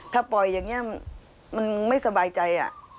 ถ้าปล่อยอย่างนี้มันไม่สบายใจ